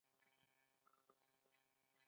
شیرخان بندر په کوم سیند جوړ شوی؟